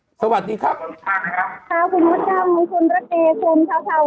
ครับสวัสดีครับครับคุณพระเจ้าคุณพระตรีคุณเช้าเช้าค่ะ